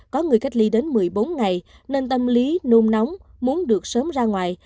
có người cách ly đến một mươi bốn ngày nên tâm lý nôn nóng muốn được sớm ra ngoài